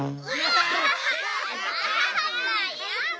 やだ！